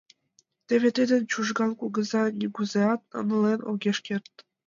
Теве тидым Чужган кугыза нигузеат ыҥылен огеш керт...